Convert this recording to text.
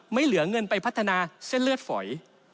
ไม่เหลือเงินไปพัฒนาเส้นเลือดฝอย